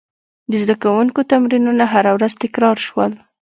د زده کوونکو تمرینونه هره ورځ تکرار شول.